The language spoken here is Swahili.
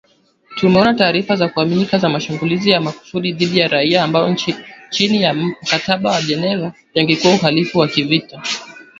"Tumeona taarifa za kuaminika za mashambulizi ya makusudi dhidi ya raia ambayo chini ya mkataba wa Geneva yangekuwa uhalifu wa kivita,"